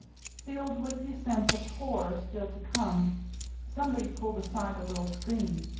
Filled with the sense of horror still to come, somebody pulled aside the little screen.